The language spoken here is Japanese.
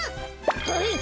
はい！